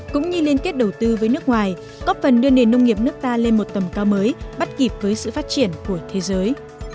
cũng như liên kết đầu tư với nước ngoài góp phần đưa nền nông nghiệp nước ta lên một tầm cao mới bắt kịp với sự phát triển của thế giới